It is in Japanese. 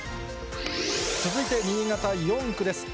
続いて新潟４区です。